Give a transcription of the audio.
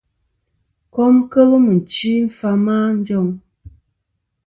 Kom kel mɨ̀nchi fama a njoŋ.